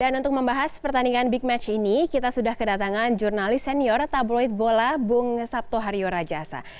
dan untuk membahas pertandingan big match ini kita sudah kedatangan jurnalis senior tabloid bola bung sabtoharyo rajasa